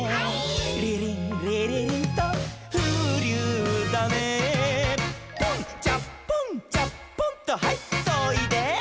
「リリンリリリンとふうりゅうだねポン」「チャッポンチャッポンとはいっといで」